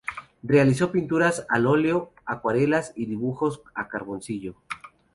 Realizó pinturas al óleo, acuarelas y dibujos a carboncillo.